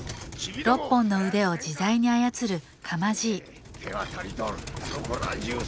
６本の腕を自在に操る４